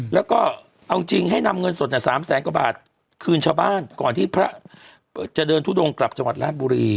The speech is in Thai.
แล้วก็เอาจริงให้นำเงินสด๓แสนกว่าบาทคืนชาวบ้านก่อนที่พระจะเดินทุดงกลับจังหวัดราชบุรี